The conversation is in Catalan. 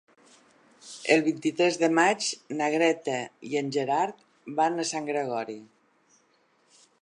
El vint-i-tres de maig na Greta i en Gerard van a Sant Gregori.